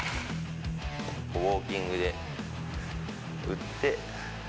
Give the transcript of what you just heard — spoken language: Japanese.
ウオーキングで打って。